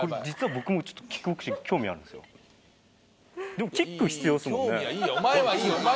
でもキック必要ですもんね。